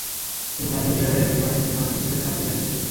অন্য একজন ঠিকাদারের বিল করানোর জন্য আতিকুর তাঁকে চাপ দিয়ে আসছিলেন।